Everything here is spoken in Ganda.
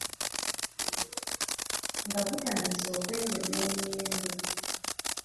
nga gutandise okwengeza emiyembe.